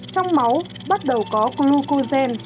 trong máu bắt đầu có glucogen